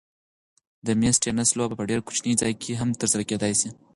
د مېز تېنس لوبه په ډېر کوچني ځای کې هم ترسره کېدای شي.